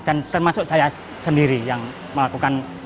termasuk saya sendiri yang melakukan